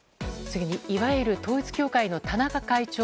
次に、いわゆる統一教会の田中会長